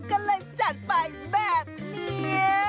ก็เลยจัดไปแบบนี้